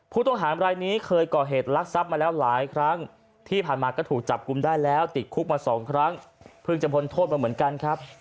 เพิ่งจะพ้นโทษมาเหมือนกันครับ